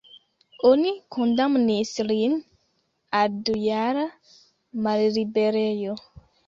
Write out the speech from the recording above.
Oni kondamnis lin al dujara malliberejo.